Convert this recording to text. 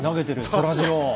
そらジロー。